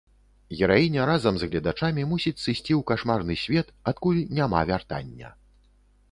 Гераіня, разам з гледачамі, мусіць сысці ў кашмарны свет, адкуль няма вяртання.